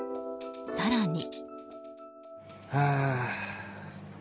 更に。